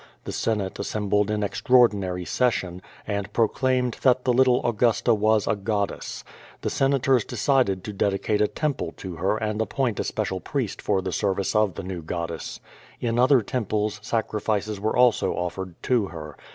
The Senate assembled in extraordinary session, and proclaimed that the little Au gusta was a goddess. The Senators decided to dedicate a temple to her and appoint a special priest for the service of the new goddess. In other temples sacrifices were also offer ed to her.